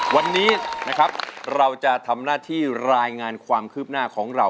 วันนี้นะครับเราจะทำหน้าที่รายงานความคืบหน้าของเรา